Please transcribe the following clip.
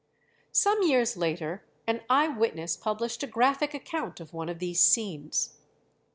Some years later an eye witness published a graphic account of one of these scenes.